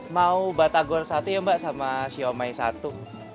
mau batagor satu ya mbak sama siomay satu